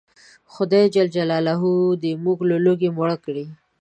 خدای ج دې موږ له لوږې مړه کړي